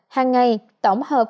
hàng ngày tổng hợp